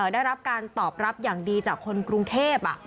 ได้รับการตอบรับอย่างดีจากคนกรุงเทพ